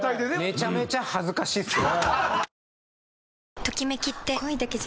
めちゃめちゃ恥ずかしいですよ。